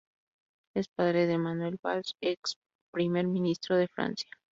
Es padre de Manuel Valls, ex Primer Ministro de Francia.